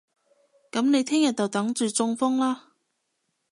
噉你聽日就等住中風啦